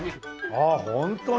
ああホントに。